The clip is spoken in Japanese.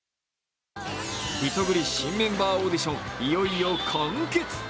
リトグリの新メンバーオーディション、いよいよ完結。